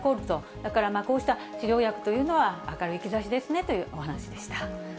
だからこうした治療薬というのは明るい兆しですねというお話でした。